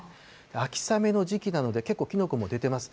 秋雨の時期なので、結構キノコも出てます。